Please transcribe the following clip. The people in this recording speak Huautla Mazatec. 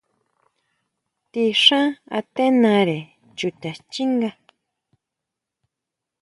Ti xán atenare chuta xchinga.